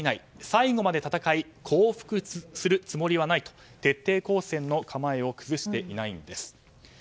最後まで戦い降伏するつもりはないと徹底抗戦の構えを崩していないんです。